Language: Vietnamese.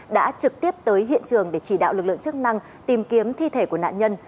đã trực tiếp tới hiện trường để chỉ đạo lực lượng chức năng tìm kiếm thi thể của nạn nhân